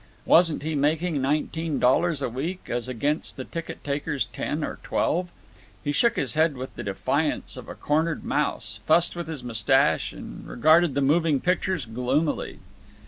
Wasn't he making nineteen dollars a week, as against the ticket taker's ten or twelve? He shook his head with the defiance of a cornered mouse, fussed with his mustache, and regarded the moving pictures gloomily.